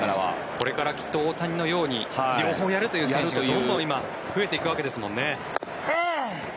これから大谷のように両方やるという選手がどんどん増えていくわけですよね。